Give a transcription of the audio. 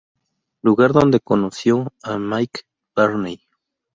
Lugar donde conoció a Mike Varney.